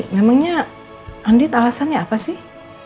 memangnya andi alasannya apa sih